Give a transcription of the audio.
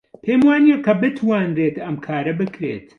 پێم وانییە کە بتوانرێت ئەم کارە بکرێت.